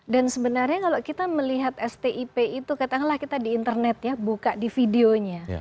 dan sebenarnya kalau kita melihat stip itu katakanlah kita di internet ya buka di videonya